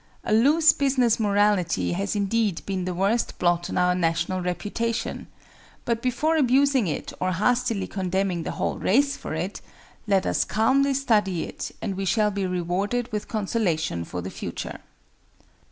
A loose business morality has indeed been the worst blot on our national reputation; but before abusing it or hastily condemning the whole race for it, let us calmly study it and we shall be rewarded with consolation for the future.